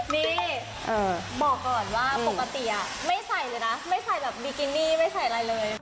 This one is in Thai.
นี่บอกก่อนว่าปกติไม่ใส่เลยนะไม่ใส่แบบบิกินี่ไม่ใส่อะไรเลย